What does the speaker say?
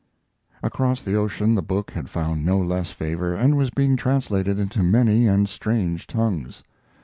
Across the ocean the book had found no less favor, and was being translated into many and strange tongues.